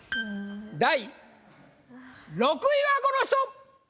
第６位はこの人！